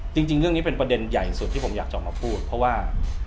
จริงเรื่องนี้เป็นประเด็นใหญ่สุดที่ผมอยากจะออกมาพูดเพราะว่า